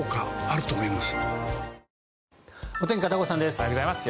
おはようございます。